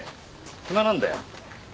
暇なんだよ。